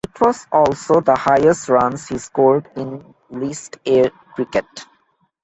It was also the highest runs he scored in List A cricket.